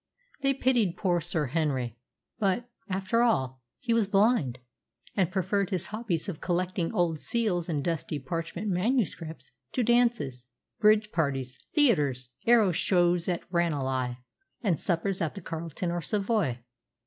They pitied poor Sir Henry; but, after all, he was blind, and preferred his hobbies of collecting old seals and dusty parchment manuscripts to dances, bridge parties, theatres, aero shows at Ranelagh, and suppers at the Carlton or Savoy.